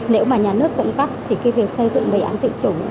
nếu mà nhà nước cung cấp thì việc xây dựng bài án tự chủ